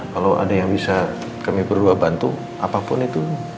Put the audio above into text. kalau ada yang bisa kami berdua bantu apapun itu